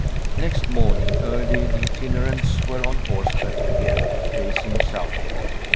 Next morning early the itinerants were on horseback again, facing southward.